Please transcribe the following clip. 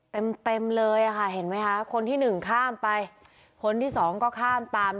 เต็มเลยค่ะเห็นไหมค่ะคนที่๑ข้ามไปคนที่๒ก็ข้ามตามแล้ว